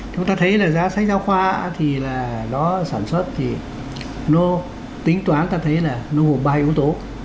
chúng ta thấy là giá sách giáo khoa thì là nó sản xuất thì nó tính toán ta thấy là nó gồm ba yếu tố